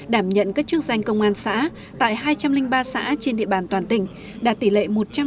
đảm nhận các chức danh công an xã tại hai trăm linh ba xã trên địa bàn toàn tỉnh đạt tỷ lệ một trăm linh